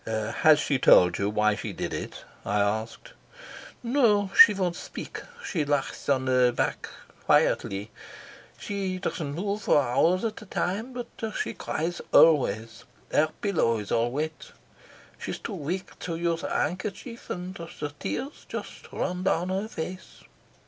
"Has she told you why she did it?" I asked. "No. She won't speak. She lies on her back quite quietly. She doesn't move for hours at a time. But she cries always. Her pillow is all wet. She's too weak to use a handkerchief, and the tears just run down her face."